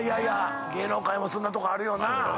芸能界もそんなとこあるよな。